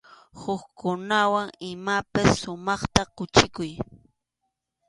Hukkunawan imapas sumaqmanta quchikuy.